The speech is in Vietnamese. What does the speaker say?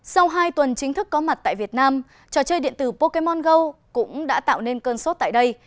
sau hai tuần chính thức có mặt tại việt nam trò chơi điện tử pokemon go cũng đã tạo nên cơn sốt tại đây